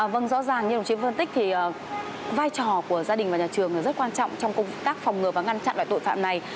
vâng rõ ràng như đồng chí phân tích thì vai trò của gia đình và nhà trường rất quan trọng trong công tác phòng ngừa và ngăn chặn loại tội phạm này